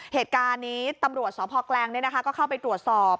เหตุการณ์นี้ตำรวจสพแกลงก็เข้าไปตรวจสอบ